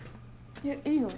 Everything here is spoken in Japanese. えっいいの？